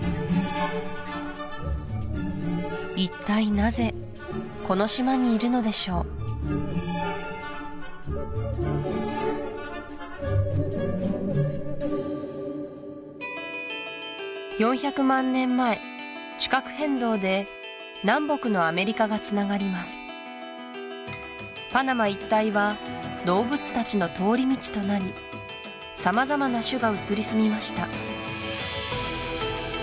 一体なぜこの島にいるのでしょう４００万年前地殻変動で南北のアメリカがつながりますパナマ一帯は動物たちの通り道となり様々な種が移りすみました